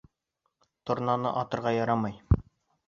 Торнаны атырға ярамай.